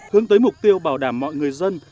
hướng tới mục tiêu bảo đảm mọi người dân